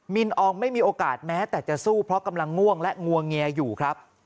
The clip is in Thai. ินอองไม่มีโอกาสแม้แต่จะสู้เพราะกำลังง่วงและงวงเงียอยู่ครับ